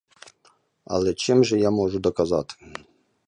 Але чим же я можу доказати?